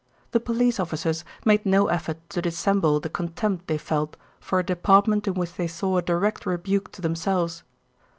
The police officers made no effort to dissemble the contempt they felt for a department in which they saw a direct rebuke to themselves.